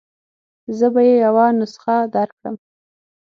زه به يې یوه نسخه درکړم.